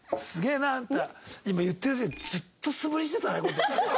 今言ってる時ずっと素振りしてたね。